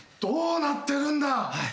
どうなってるんだ。